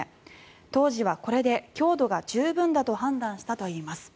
当時は、これで強度が十分だと判断したといいます。